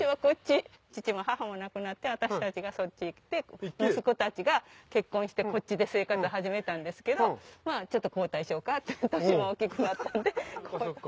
父も母も亡くなって私たちがそっち行って息子たちが結婚してこっちで生活始めたんですけどちょっと交代しようかと年も大きくなったんで。